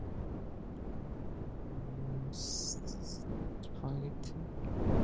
The collection reached its present size with major donations from J.